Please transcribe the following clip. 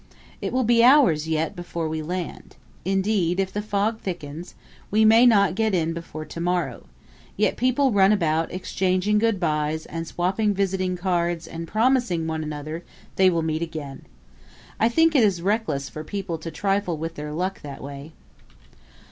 It will be hours yet before we land. Indeed, if the fog thickens, we may not get in before to morrow, yet people run about exchanging good byes and swapping visiting cards and promising one another they will meet again. I think it is reckless for people to trifle with their luck that way.